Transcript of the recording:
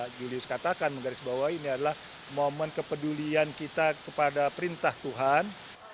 julius katakan menggarisbawa ini adalah momen kepedulian kita kepada perintah tuhan